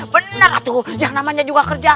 benar tuh yang namanya juga kerja